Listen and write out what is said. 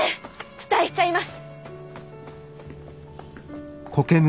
期待しちゃいます。